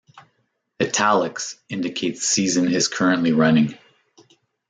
"Italics" indicates season is currently running.